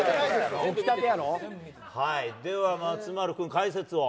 では、松丸君、解説を。